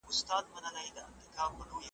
زړه ئې ښه که، کار ئې وکه.